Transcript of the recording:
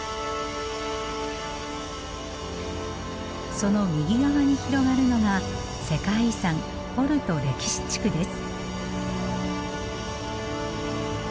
その右側に広がるのが世界遺産ポルト歴史地区です。